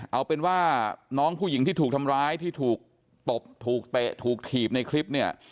เอาเป็นว่าน้องผู้หญิงที่ถูกทำร้ายที่ถูกตบถูกเตะถูกถีบในคลิปเนี่ย